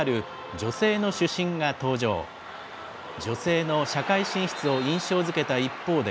女性の社会進出を印象づけた一方で。